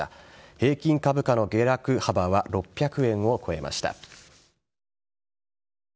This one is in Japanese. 平均株価の下落幅は６００円を超えました。